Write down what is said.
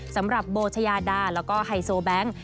สำหรับโบชายาดาแล้วก็ไฮโซแบงค์